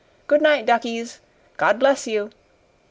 Good night, duckies! God bless you!"